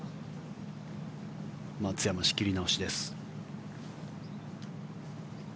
松山、仕切り直しです。